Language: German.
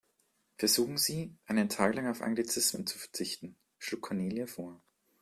Versuchen Sie, einen Tag lang auf Anglizismen zu verzichten, schlug Cornelia vor.